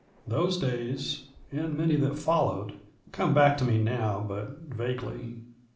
Those days, and many that followed, come back to me now but vaguely.